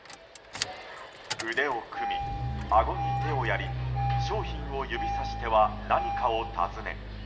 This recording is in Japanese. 腕を組み、あごに手をやり商品を指さしては何かを尋ね